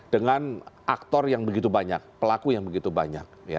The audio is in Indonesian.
dengan aktor yang begitu banyak pelaku yang begitu banyak